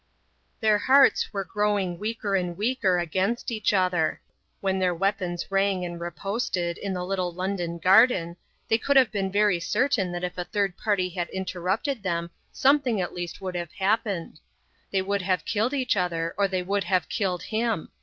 Their hearts were growing weaker and weaker against each other. When their weapons rang and riposted in the little London garden, they could have been very certain that if a third party had interrupted them something at least would have happened. They would have killed each other or they would have killed him.